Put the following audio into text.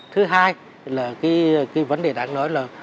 thứ hai là cái vấn đề đáng nói là